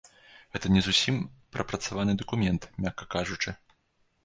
Гэта не зусім прапрацаваны дакумент, мякка кажучы.